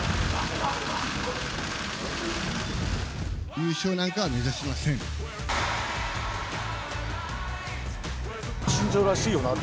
優勝なんかは目指しません。